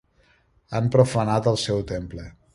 Han profanat el seu temple.